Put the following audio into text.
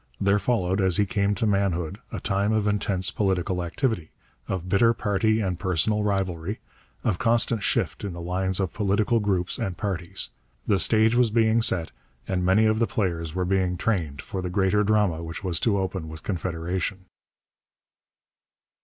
There followed, as he came to manhood, a time of intense political activity, of bitter party and personal rivalry, of constant shift in the lines of political groups and parties. The stage was being set and many of the players were being trained for the greater drama which was to open with Confederation.